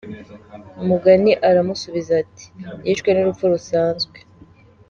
Mugani aramusubiza ati: "Yishwe n’urupfu rusanzwe.